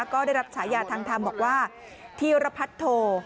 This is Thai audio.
ก็ได้รับฉายาทางธรรมบอกว่าธีรพัทโท